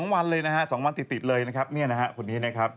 วันเลยนะฮะ๒วันติดเลยนะครับเนี่ยนะฮะคนนี้นะครับ